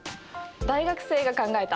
大学生が考えた。